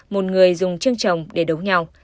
một người dùng chiêng chồng để đấu nhau